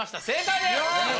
正解です！